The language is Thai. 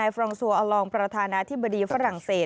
ฟรองซัวอลองประธานาธิบดีฝรั่งเศส